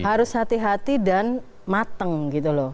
harus hati hati dan mateng gitu loh